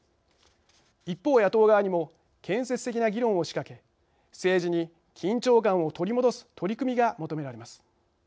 一方、野党側にも建設的な議論を仕掛け政治に緊張感を取り戻す取り組みが求められます。